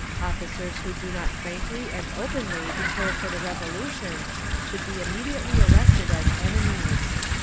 Officers who do not frankly and openly declare for the Revolution should be immediately arrested as enemies.